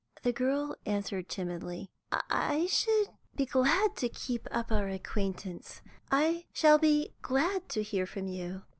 The girl answered timidly "I shall be glad to keep up our acquaintance. I shall be glad to hear from you."